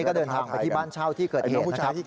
ก็เดินทางไปที่บ้านเช่าที่เกิดเหตุนะครับ